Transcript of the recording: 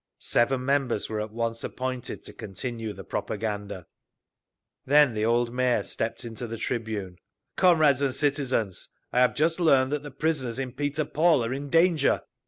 Seven members were at once appointed to continue the propaganda…. Then the old Mayor stepped into the tribune: "Comrades and citizens! I have just learned that the prisoners in Peter Paul are in danger.